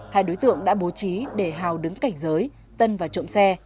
hai đối tượng đã bố trí để hào đứng cảnh giới tân và trộm xe